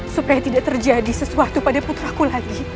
supaya tidak terjadi sesuatu pada putraku lagi